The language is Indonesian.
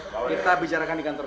pak ayo kita bicarakan di kantor bu